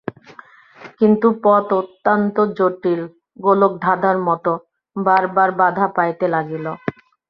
কিন্তু পথ অত্যন্ত জটিল, গোলকধাঁধার মতো, বারবার বাধা পাইতে লাগিল।